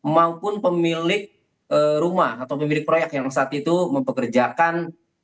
maupun pemilik rumah atau pemilik proyek yang saat itu mempekerjakan